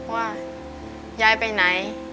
ว่ายายไปไหน